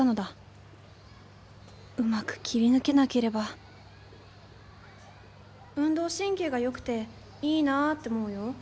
うまく切り抜けなければ運動神経がよくていいなって思うよ。